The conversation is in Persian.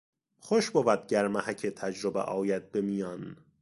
خوش بود گر محک تجربه آید به میان